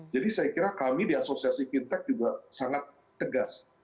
jadi saya kira kami di asosiasi fintech juga sangat tegas